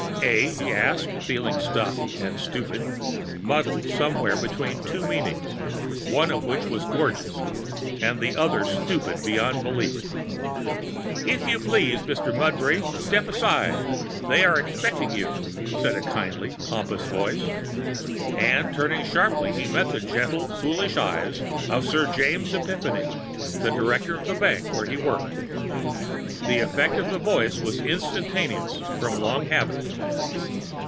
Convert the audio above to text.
"Eh?" he asked, feeling stuffed and stupid, muddled somewhere between two meanings, one of which was gorgeous and the other stupid beyond belief. "If you please, Mr. Mudbury, step inside. They are expecting you," said a kindly, pompous voice. And, turning sharply, he met the gentle, foolish eyes of Sir James Epiphany, a director of the Bank where he worked. The effect of the voice was instantaneous from long habit.